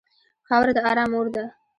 خاوره د ارام مور ده.